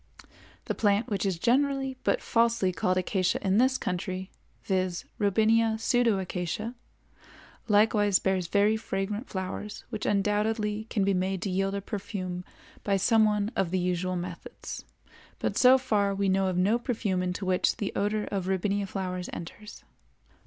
The plant which is generally but falsely called Acacia in this country, viz., Robinia pseudoacacia, likewise bears very fragrant flowers which undoubtedly can be made to yield a perfume by some one of the usual methods; but so far we know of no perfume into which the odor of Robinia flowers enters.